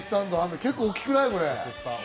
結構大きくない？